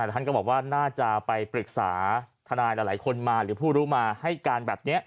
แต่ท่านก็บอกว่าน่าจะไปปรึกษาทนายหลายคนมาหรือผู้รู้มาให้การแบบนี้